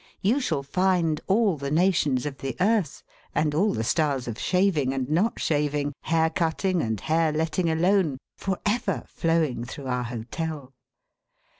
You shall find all the nations of the earth, and all the styles of shaving and not shaving, hair cutting and hair letting alone, for ever flowing through our hotel.